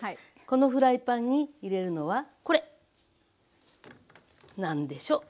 このフライパンに入れるのはこれ！何でしょう？